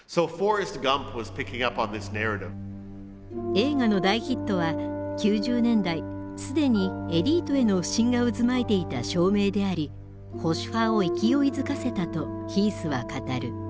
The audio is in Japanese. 映画の大ヒットは９０年代すでにエリートへの不信が渦巻いていた証明であり保守派を勢いづかせたとヒースは語る。